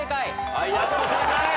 はいやっと正解。